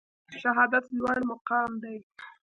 شهادت لوړ مقام دی